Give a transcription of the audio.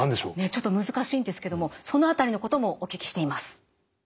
ちょっと難しいんですけどもその辺りのこともお聞きしています。